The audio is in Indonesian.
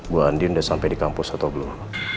bu andin udah sampai di kampus atau belum